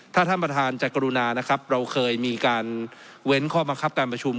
ถ้าท่านประธานจะกรุณานะครับเราเคยมีการเว้นข้อบังคับการประชุม